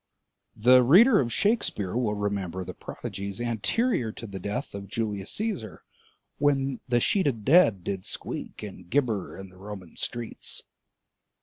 The reader of Shakespeare will remember the prodigies anterior to the death of Julius Cæsar when— "The sheeted dead Did squeak and gibber in the Roman streets."